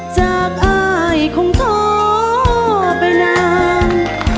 จากอายคงท้อไปนาน